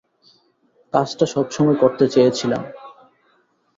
কাজটা সবসময় করতে চেয়েছিলাম।